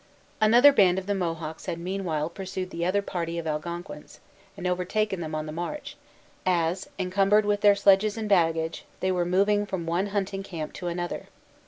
Another band of the Mohawks had meanwhile pursued the other party of Algonquins, and overtaken them on the march, as, incumbered with their sledges and baggage, they were moving from one hunting camp to another.